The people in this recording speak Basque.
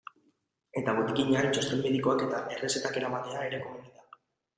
Eta botikinean txosten medikoak eta errezetak eramatea ere komeni da.